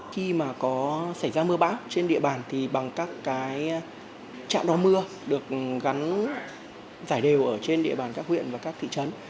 khi mà có xảy ra mưa bão trên địa bàn thì bằng các trạm đo mưa được gắn giải đều ở trên địa bàn các huyện và các thị trấn